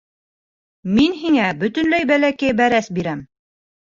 Мин һиңә бөтөнләй бәләкәй бәрәс бирәм.